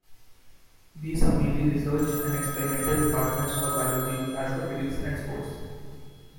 These are mainly research and experimental departments for Biology, Astrophysics and Sports.